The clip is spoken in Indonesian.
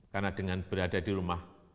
karena dengan berada di rumah